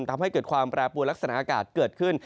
ทำให้เกิดความแปรปวนลักษณะอากาศเกิดขึ้น